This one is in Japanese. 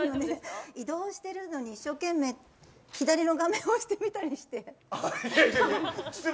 移動してるのに一生懸命左の画面押してみたりして。